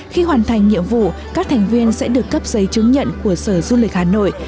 khi hoàn thành nhiệm vụ các thành viên sẽ được cấp giấy chứng nhận của sở du lịch hà nội